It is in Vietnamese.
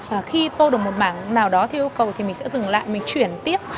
và khi tô được một mảng nào đó theo yêu cầu thì mình sẽ dừng lại mình chuyển tiếp